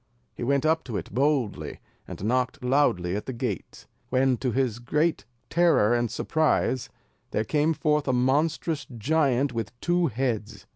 He went up to it boldly, and knocked loudly at the gate, when, to his great terror and surprise, there came forth a monstrous giant with two heads.